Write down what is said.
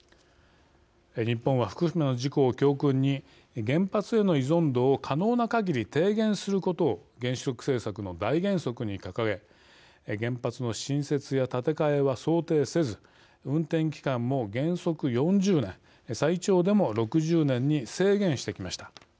日本は福島の事故を教訓に原発への依存度を可能な限り低減することを原子力政策の大原則に掲げ原発の新設や建て替えは想定せず運転期間も原則４０年最長でも６０年に制限してきました。